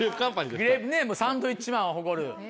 サンドウィッチマン誇る。